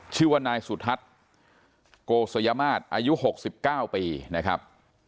ชื่อว่านายสุทัศน์โกสยมาตรอายุ๖๙ปีนะครับ